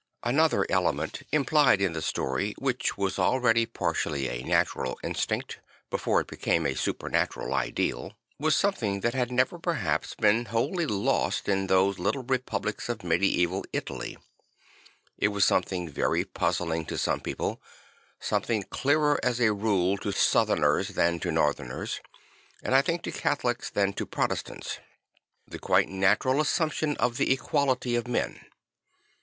Another element implied in the story, which was already partially a natural instinct, before it became a supernatural ideal, was something Francis the Fighter 47 that had never perhaps been wholly lost in those little republics of medieval Italy. It was some thing very puzzling to some people; something clearer as a rule to Southerners than to Northerners, and I think to Catholics than to Protestants; the quite natural assumption of the equality of men.